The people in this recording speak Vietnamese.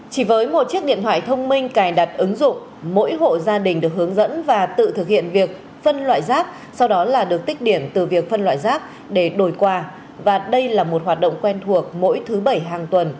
chỉ với một chiếc điện thoại thông minh cài đặt ứng dụng mỗi hộ gia đình được hướng dẫn và tự thực hiện việc phân loại rác sau đó là được tích điểm từ việc phân loại rác để đổi quà và đây là một hoạt động quen thuộc mỗi thứ bảy hàng tuần